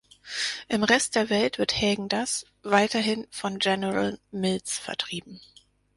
Im Rest der Welt wird Häagen-Dazs weiterhin von General Mills vertrieben.